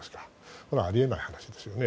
これはあり得ない話ですね。